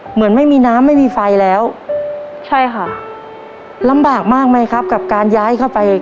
เหมือนไม่มีน้ำไม่มีไฟแล้วใช่ค่ะลำบากมากไหมครับกับการย้ายเข้าไป